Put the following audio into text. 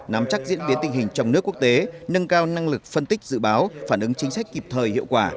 nắm chắc diễn biến tình hình trong nước quốc tế nâng cao năng lực phân tích dự báo phản ứng chính sách kịp thời hiệu quả